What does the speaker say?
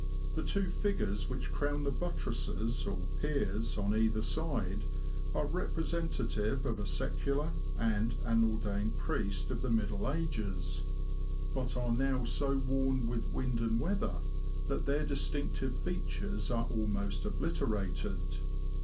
The two figures which crown the buttresses, or piers, on either side, are representative of a secular and an ordained priest of the Middle Ages, but are now so worn with wind and weather, that their distinctive features are almost obliterated.